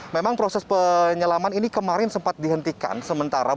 memang proses penyelaman ini kemarin sempat dihentikan sementara